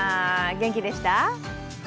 元気でした？